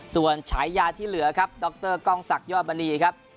ส่วนใช้ยาที่เหลือครับดรกองศักยโบนีครับ